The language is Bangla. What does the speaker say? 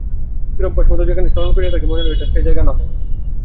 চিরাভ্যাসমতো যেখানে শয়ন করিয়া থাকে, মনে হইল, এটা সে জায়গা নহে।